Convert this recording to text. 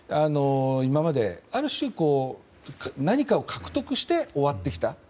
今まである種何かを獲得して終わってきた。